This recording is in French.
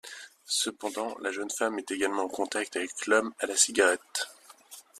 Cependant, la jeune femme est également en contact avec l'homme à la cigarette.